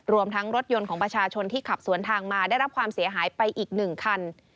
รวมทั้งรถยนต์ของประชาชนที่ขับสวนทางมาได้รับความเสียหายไปอีก๑คัน